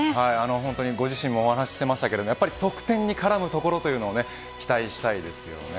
本当にご自身もお話していましたが得点に絡むところというのを期待したいですよね。